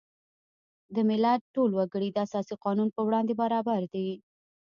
د ملت ټول وګړي د اساسي قانون په وړاندې برابر دي.